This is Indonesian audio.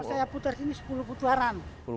kalau saya putar ini sepuluh putaran